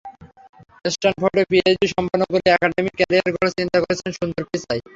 স্ট্যানফোর্ডে PhD সম্পন্ন করে academic career গড়ার চিন্তা করেছিলেন সুন্দর পিচাই।